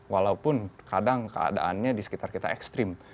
walaupun kadang keadaannya di sekitar kita ekstrim